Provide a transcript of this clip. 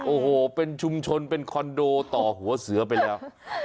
โอ้โหเป็นชุมชนเป็นคอนโดต่อหัวเสือไปแล้ว